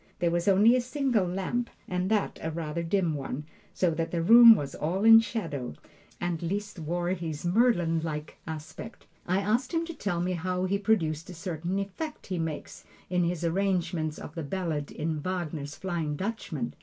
There was only a single lamp, and that a rather dim one, so that the room was all in shadow, and Liszt wore his Merlin like aspect. I asked him to tell me how he produced a certain effect he makes in his arrangement of the ballad in Wagner's "Flying Dutchman."